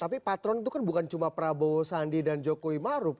tapi patron itu kan bukan cuma prabowo sandi dan jokowi maruf